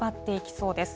そうですね。